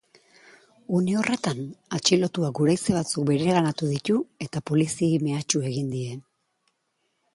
Une horretan, atxilotuak guraize batzuk bereganatu ditu eta poliziei mehatxu egin die.